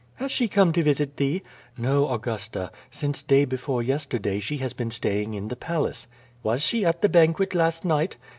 "Has she come to visit thee?" "No, Augusta, «ince day before yesterday, she has been staying in the palace." "Was she at the banquet last night?"